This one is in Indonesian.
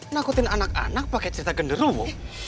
nakutin anak anak pakai cerita genderumu